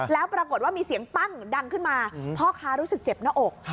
แล้วปรากฏว่ามีเสียงปั้งดังขึ้นมาพ่อค้ารู้สึกเจ็บหน้าอก